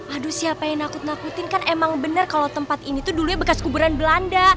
aduh siapa yang nakut nakutin kan emang bener kalau tempat ini tuh dulunya bekas kuburan belanda